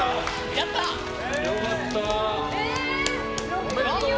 やったー！